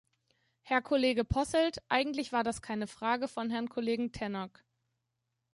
Herr Kollege Posselt, eigentlich war das keine Frage von Herrn Kollegen Tannock.